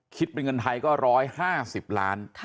คิดเป็นเงินไทยก็๑๕๐ล้าน